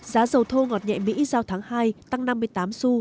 giá dầu thô ngọt nhẹ mỹ giao tháng hai tăng năm mươi tám su